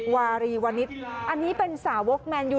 วารีวณิตอันนี้เป็นสาวกแมนยู